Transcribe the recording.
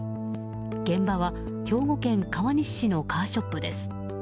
現場は兵庫県川西市のカーショップです。